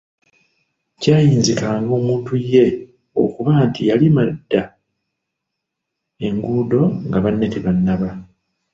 Kyayinzikanga omuntu ye okuba nti yalima dda enguudo nga banne tebannaba.